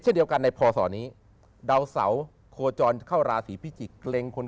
เช่นเดียวกันในพศนี้ดาวเสาโคจรเข้าราศีพิจิกษ์เกรงคน